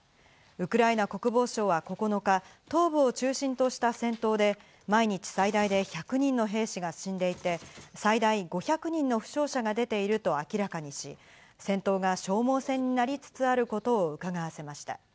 ウクライナ国防省は９日、東部を中心とした戦闘で、毎日最大で１００人の兵士が死んでいて、最大５００人の負傷者が出ていると明らかにし、戦闘が消耗戦になりつつあることをうかがわせました。